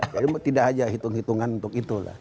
jadi tidak aja hitung hitungan untuk itu lah